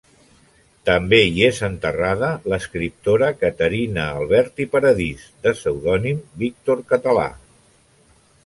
També hi és enterrada l'escriptora Caterina Albert i Paradís, de pseudònim Víctor Català.